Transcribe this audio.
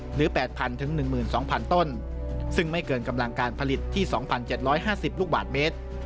หรือ๘๐๐๑๒๐๐๐ต้นซึ่งไม่เกินกำลังการผลิตที่๒๗๕๐ลูกบาทเมตร